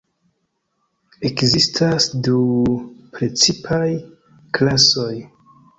Ekzistas du precipaj klasoj.